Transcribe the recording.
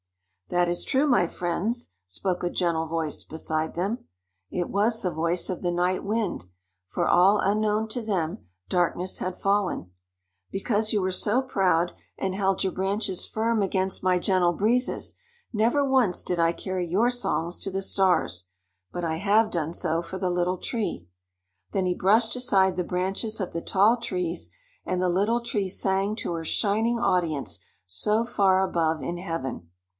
"That is true, my friends," spoke a gentle voice beside them. It was the voice of the Night Wind, for all unknown to them, darkness had fallen. "Because you were so proud and held your branches firm against my gentle breezes, never once did I carry your songs to the Stars; but I have done so for the Little Tree." Then he brushed aside the branches of the tall trees, and the Little Tree sang to her shining audience so far above in heaven.